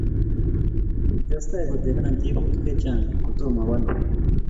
Kitestai kotepena tebutik chechang kotoma a walu.